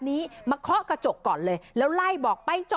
โดนสั่งแอป